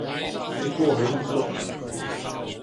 你估我好輕鬆呀？